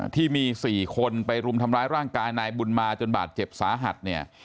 ที่มี๔คนไปรุมทำร้ายร่างกายนายบุญมาจนบาดเจ็บสาหัสเนี่ย